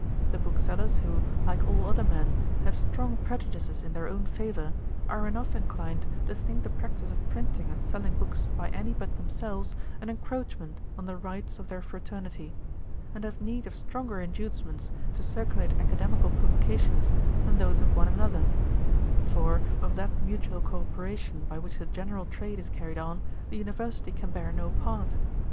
The booksellers, who, like all other men, have strong prejudices in their own favour, are enough inclined to think the practice of printing and selling books by any but themselves, an encroachment on the rights of their fraternity; and have need of stronger inducements to circulate academical publications than those of one another; for, of that mutual co operation by which the general trade is carried on, the University can bear no part.